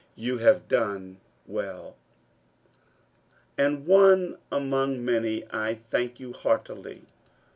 You have done well ; and, one among many, I thank you heartily.